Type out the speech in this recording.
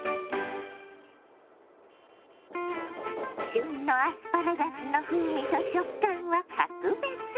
旬のアスパラガスの風味と食感は格別。